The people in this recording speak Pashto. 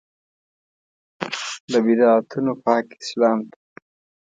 له بدعتونو پاک اسلام ته.